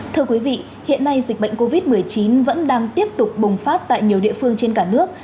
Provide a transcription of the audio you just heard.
thưa quý vị hiện nay dịch bệnh covid một mươi chín vẫn đang tiếp tục bùng phát tại nhiều địa phương trên cả nước